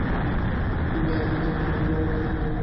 তিনি তার আইনচর্চাকে প্রত্যাখ্যান ও পুনরায় চালু করেছিলেন।